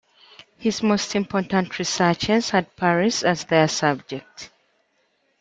His most important researches had Paris as their subject.